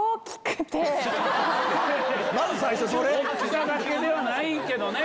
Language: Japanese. まず最初それ⁉大きさだけではないけどね。